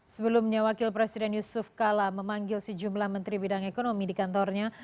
sebelumnya wakil presiden yusuf kala memanggil sejumlah menteri bidang ekonomi di kantornya